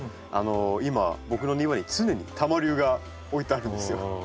今僕の庭に常にタマリュウが置いてあるんですよ。